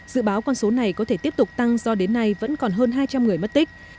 dự báo con số này có thể tiếp tục tăng do đến nay vẫn còn hơn hai trăm linh người mất tích